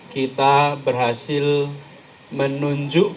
jadi bewakangan tiga tahun ini